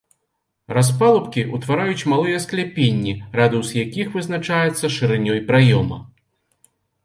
Распалубкі ўтвараюць малыя скляпенні, радыус якіх вызначаецца шырынёй праёма.